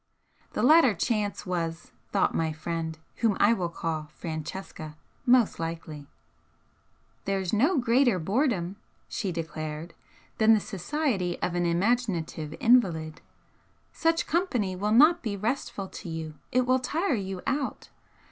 The latter chance was, thought my friend, whom I will call Francesca, most likely. "There's no greater boredom," she declared "than the society of an imaginative invalid. Such company will not be restful to you, it will tire you out.